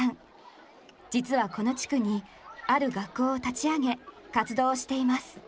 実はこの地区にある学校を立ち上げ活動をしています。